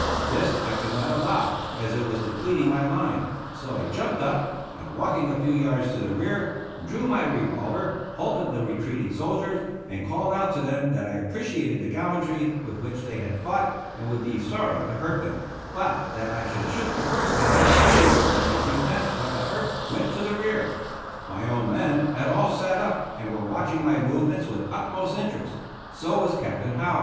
This I could not allow, as it was depleting my line, so I jumped up, and walking a few yards to the rear, drew my revolver, halted the retreating soldiers, and called out to them that I appreciated the gallantry with which they had fought and would be sorry to hurt them, but that I should shoot the first man who, on any pretence whatever, went to the rear. My own men had all sat up and were watching my movements with utmost interest; so was Captain Howze.